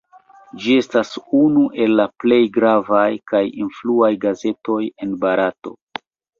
Ĝi estas unu el la plej gravaj kaj influaj gazetoj en Barato.